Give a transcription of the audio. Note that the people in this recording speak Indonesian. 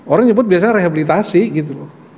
orang nyebut biasanya rehabilitasi gitu loh